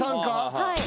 はい。